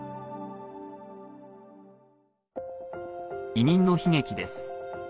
移民の悲劇です。